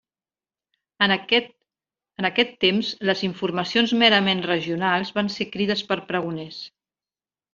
En aquest temps, les informacions merament regionals van ser crides per pregoners.